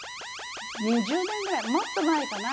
２０年ぐらいもっと前かな？